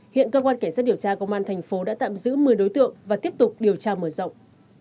hiện cơ quan cảnh sát điều tra công an thành phố đã tạm giữ một mươi đối tượng và tiếp tục điều tra mở rộng